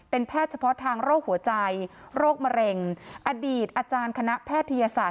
เป็นแพทย์เฉพาะทางโรคหัวใจโรคมะเร็งอดีตอาจารย์คณะแพทยศาสต